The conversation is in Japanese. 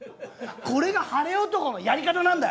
これが晴れ男のやり方なんだよ！